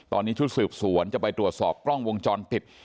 ตอนนี้ชุดสืบสวนจะไปตรวจสอบกล้องวงจรปิด